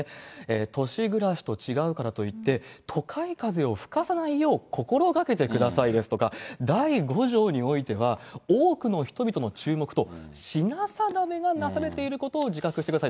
都市暮らしと違うからといって、都会風を吹かさないよう心がけてくださいですとか、第５条においては、多くの人々の注目と品定めがなされていることを自覚してください。